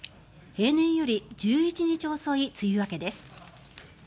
平年より１１日遅い梅雨明けです。